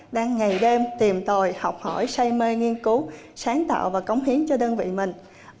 đang ngày đêm tìm tòi học hỏi say mê nghiên cứu sáng tạo và cống hiến cho đơn vị mình